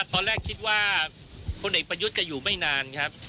ตอนแรกคิดว่าพลเอกประยุทธ์จะอยู่ไม่นานครับ